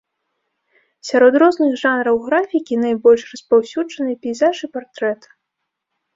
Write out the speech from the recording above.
Сярод розных жанраў графікі найбольш распаўсюджаны пейзаж і партрэт.